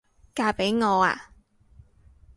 嫁畀我吖？